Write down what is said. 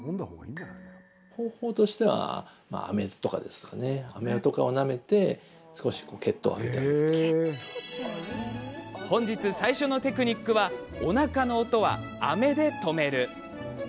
方法としては本日最初のテクニックはおなかの音は、あめで止める。